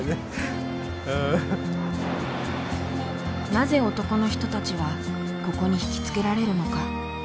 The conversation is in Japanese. なぜ男の人たちはここに引き付けられるのか。